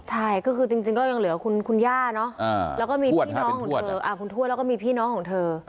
ใช่ก็คือจริงก็ยังเหลือคุณย่าเนาะแล้วก็มีพี่น้องของเธอ